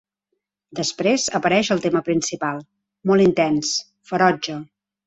Després apareix el tema principal, molt intens, ferotge.